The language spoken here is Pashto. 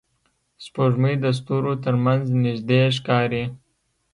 سپوږمۍ د ستورو تر منځ نږدې ښکاري